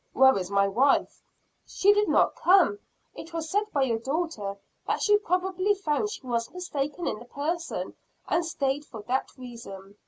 Where is my wife?" "She did not come. It was said by your daughter, that she probably found she was mistaken in the person, and stayed for that reason."